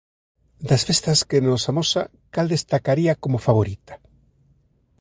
Das festas que nos amosa cal destacaría como favorita?